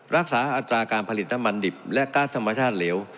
รักษาอัตราการผลิตน้ำมันดิบและก๊าซธรรมชาติเหลว